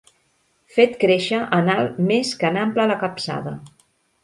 Fet créixer en alt més que en ample la capçada.